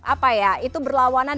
apa ya itu berlawanan